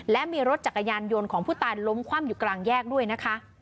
และมีรถจักรยานยนต์ของผู้ตายล้มคว่ำอยู่กลางแยกด้วยนะคะ